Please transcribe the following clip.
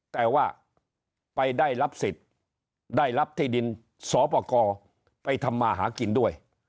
แต่ว่าไปได้รับสิทธิ์ได้รับที่ดินสอปกรไปทำมาหากินด้วย